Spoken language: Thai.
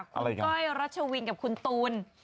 คุณก้อยรัชวินกับคุณตูน